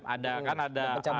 ada pencabutan juga ya